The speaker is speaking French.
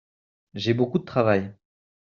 J'ai beaucoup de travail.